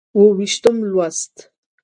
اووه ویشتم لوست